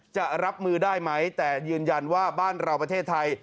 จะรับมือได้ไหมแต่ยืนยันว่าบ้านเราประเทศไทย